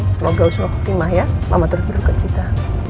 semoga usulku timah ya mama terus berdua kecita